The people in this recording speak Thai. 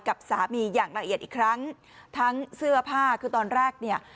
กับสามีอย่างละเอียดอีกครั้งทั้งเสื้อผ้าคือตอนแรกเนี่ย